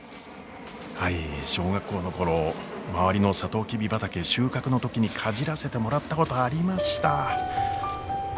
はい小学校の頃周りのサトウキビ畑収穫の時にかじらせてもらったことありました。